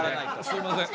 すいません。